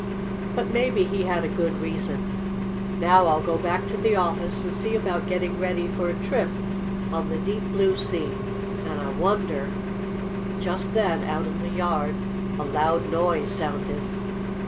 But maybe he had a good reason. Now I'll go back to the office and see about getting ready for a trip on the deep, blue sea. And I wonder " Just then, out in the yard, a loud noise sounded.